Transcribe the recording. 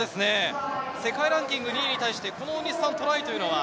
世界ランキング２位に対して、このトライは。